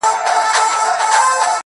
زما ځوانمرگ وماته وايي.